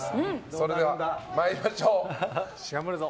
それでは、参りましょう。